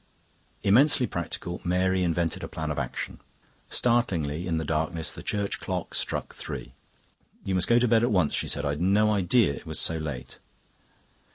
Immensely practical, Mary invented a plan of action. Startlingly, in the darkness, the church clock struck three. "You must go to bed at once," she said. "I'd no idea it was so late."